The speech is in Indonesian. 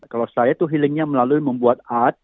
kalau saya itu healingnya melalui membuat art